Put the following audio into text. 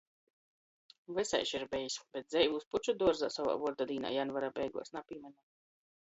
Vysaiž ir bejs, bet dzeivūs puču duorzā sovā vuordadīnā janvara beiguos napīmiņu.